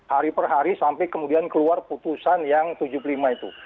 hari per hari sampai kemudian keluar putusan yang tujuh puluh lima itu